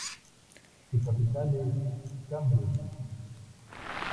Su capital es Cambridge.